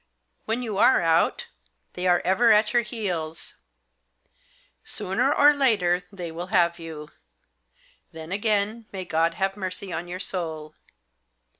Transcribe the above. When you are out, they are ever at your heels. Sooner or later they will have you. Then again may God have mercy on your soul.